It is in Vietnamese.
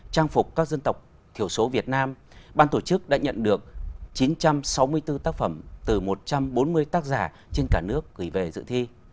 theo số việt nam ban tổ chức đã nhận được chín trăm sáu mươi bốn tác phẩm từ một trăm bốn mươi tác giả trên cả nước gửi về dự thi